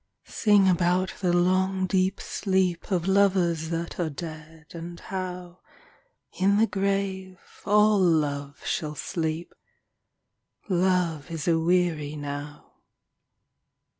Sing about the long deep sleep Of lovers that are dead, and how In the grave all love shall sleep : Love is aweary now.